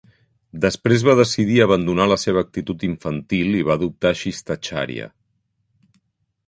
Després va decidir abandonar la seva actitud infantil i va adoptar shistacharya.